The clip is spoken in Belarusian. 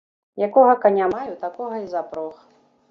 Якога каня маю, такога і запрог.